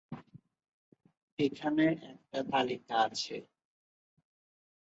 এখানে একটা তালিকা আছে।